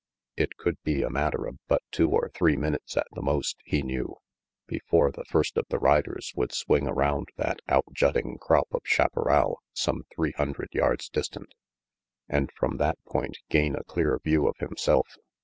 It could be a matter of but two or three minutes at the most, he knew, before the first of the riders would swing around that out jutting crop of chaparral some three hundred yards distant, and from that point gain a clear view of himself.